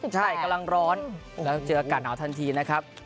ใช่กำลังร้อนแล้วเจออากาศหนาวทันทีนะครับ